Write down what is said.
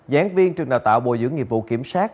gián viên trường đào tạo bồi dưỡng nghiệp vụ kiểm sát